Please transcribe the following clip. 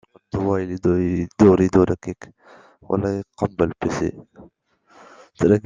La maladie peut s'étendre aussi sur les tiges, affaiblissant progressivement la plante.